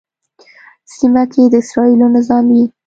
سیمه کې د اسرائیلو نظامي